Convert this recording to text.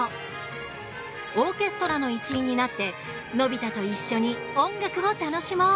オーケストラの一員になってのび太と一緒に音楽を楽しもう！